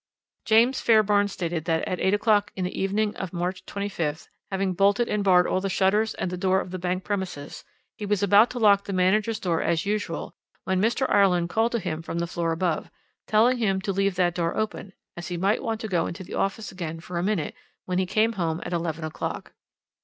"James Fairbairn stated that at eight o'clock in the evening of March 25th, having bolted and barred all the shutters and the door of the back premises, he was about to lock the manager's door as usual, when Mr. Ireland called to him from the floor above, telling him to leave that door open, as he might want to go into the office again for a minute when he came home at eleven o'clock.